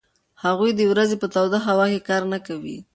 هغوی د ورځې په توده هوا کې کار نه کوي.